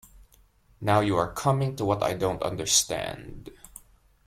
Now you are coming to what I don't understand.